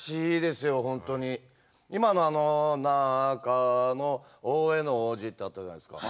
今のあの「中大兄皇子」ってあったじゃないですか。